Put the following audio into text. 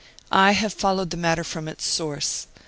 I have followed the matter from its source.